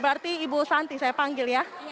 berarti ibu santi saya panggil ya